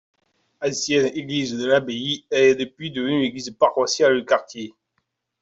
Ancienne église de l’abbaye, elle est depuis devenu l'église paroissiale du quartier.